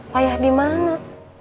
payah di mana